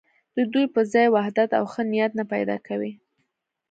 د دوی پر ځای وحدت او ښه نیت نه پیدا کوي.